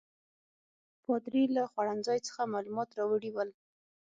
پادري له خوړنځای څخه معلومات راوړي ول.